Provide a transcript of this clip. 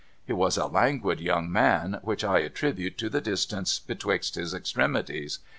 He was a languid young man, which I attribute to the distance betwixt his extremities.